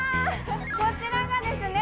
こちらがですね